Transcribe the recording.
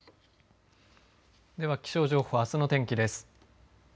では気象情報あすの天気です。